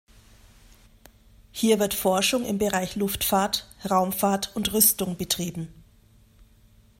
Hier wird Forschung im Bereich Luftfahrt, Raumfahrt und Rüstung betrieben.